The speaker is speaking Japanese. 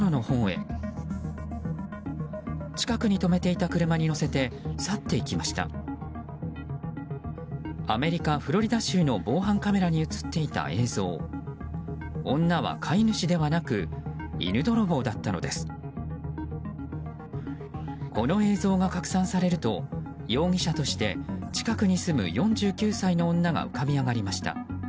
この映像が拡散されると容疑者として近くに住む４９歳の女が浮かび上がりました。